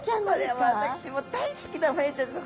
これは私も大好きなホヤちゃんです。